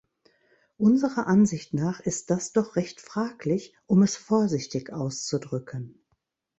Unserer Ansicht nach ist das doch recht fraglich, um es vorsichtig auszudrücken.